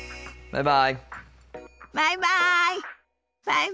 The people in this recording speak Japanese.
バイバイ。